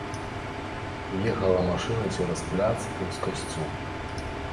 Ехала машына цераз пляц паўз касцёл.